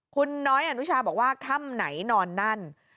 คุณน้อยอนุชาบอกว่าค่ำไหนนอนนั่น